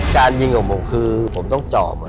การยิงของผมคือผมต้องจอบ